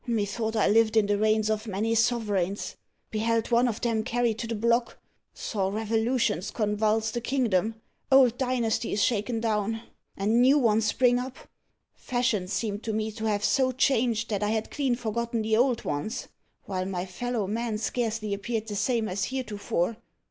Methought I lived in the reigns of many sovereigns beheld one of them carried to the block saw revolutions convulse the kingdom old dynasties shaken down, and new ones spring up. Fashions seem to me to have so changed, that I had clean forgotten the old ones; while my fellow men scarcely appeared the same as heretofore.